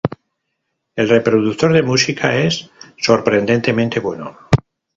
El reproductor de música es sorprendentemente bueno.